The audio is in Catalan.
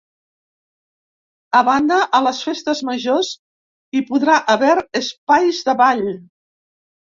A banda, a les festes majors hi podrà haver espais de ball.